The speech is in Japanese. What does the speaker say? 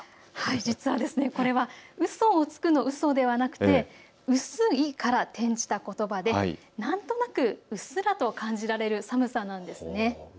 実はこれは、うそをつくのうそではなくて薄から転じたことばで何となくうっすらと感じられる寒さなんです。